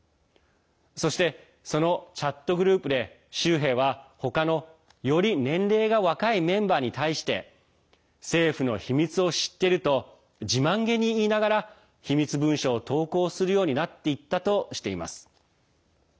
そして、そのチャットグループで州兵は他の、より年齢が若いメンバーに対して、政府の秘密を知っていると自慢げに言いながら機密文書を投稿をするようになっていったとしています。